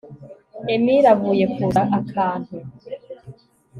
Emire avuye kuza akantu